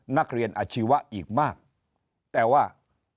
นักเรียนอาชีวะอีกมากแต่ว่า